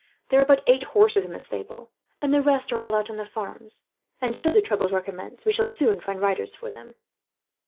There are but eight horses in the stables, the rest are all out on the farms and, should the troubles recommence, we shall soon find riders for them."